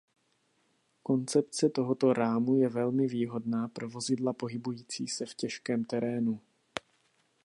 Koncepce tohoto rámu je velmi výhodná pro vozidla pohybující se v těžkém terénu.